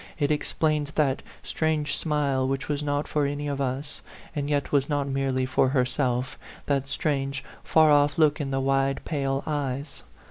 It explained that strange smile which was not for any of us, and yet was not merely for herself, that strange, far off look in the wide, pale eyes.